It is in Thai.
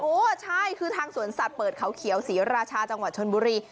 ใช่คือทางสวนสัตว์เปิดเขาเขียวศรีราชาจังหวัดชนบุรี